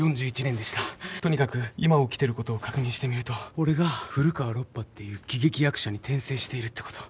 とにかく今起きてることを確認してみると俺が古川ロッパっていう喜劇役者に転生しているってこと。